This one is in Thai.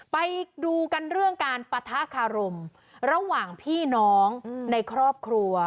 ไปดูกันเรื่องการปะทะคารมระหว่างพี่น้องในครอบครัว